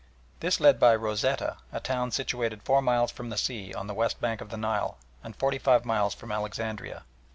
This led by Rosetta, a town situated four miles from the sea on the west bank of the Nile, and forty five miles from Alexandria.